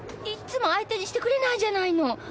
いつも相手にしてくれないじゃないの。